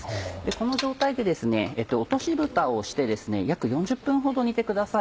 この状態で落としぶたをして約４０分ほど煮てください。